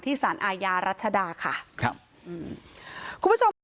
ที่สารอายารัชดาค่ะครับอืม